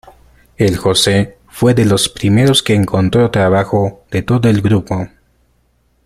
El José fue de los primeros que encontró trabajo de todo el grupo.